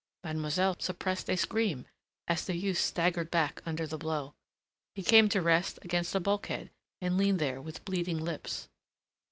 Mademoiselle suppressed a scream, as the youth staggered back under the blow. He came to rest against a bulkhead, and leaned there with bleeding lips.